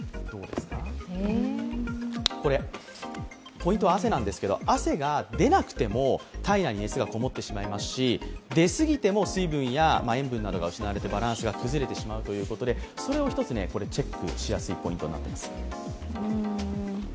ポイントは汗なんですけど、汗が出なくても体内に熱がこもってしまいますし出過ぎても水分や塩分などが失われてバランスが崩れてしまうということで、それをチェックしやすいポイントになっています。